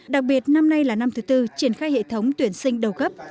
đặc biệt năm nay là năm thứ tư triển khai hệ thống tuyển sinh đầu cấp